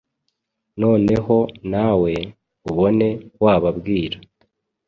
noneho nawe ubone wababwira.